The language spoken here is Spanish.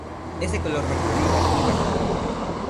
Es de color verde oliva y marrón.